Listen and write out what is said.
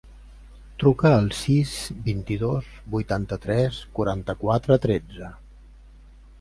Truca al sis, vint-i-dos, vuitanta-tres, quaranta-quatre, tretze.